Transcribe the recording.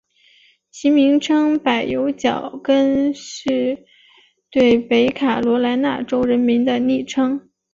其名称柏油脚跟是对北卡罗来纳州人民的昵称。